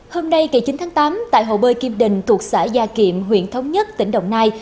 hôm nay ngày chín tháng tám tại hồ bơi kim đình thuộc xã gia kiệm huyện thống nhất tỉnh đồng nai